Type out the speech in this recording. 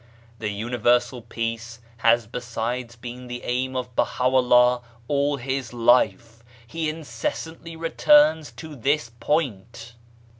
This universal p^aoe has besides been the aim of Baha'u'llah all his life ; he incessantly returns to this point